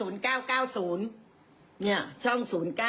เนี่ยช่อง๐๙